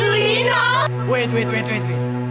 tunggu tunggu tunggu